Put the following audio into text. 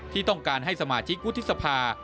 ที่ต้องการให้สมาชิกวุฒิสภา